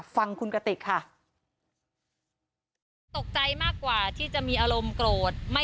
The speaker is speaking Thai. ฟังคุณกติกค่ะ